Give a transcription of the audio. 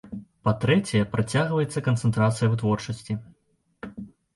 Па-трэцяе, працягваецца канцэнтрацыя вытворчасці.